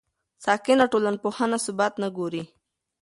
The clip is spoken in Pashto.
ساکنه ټولنپوهنه ثبات ته ګوري.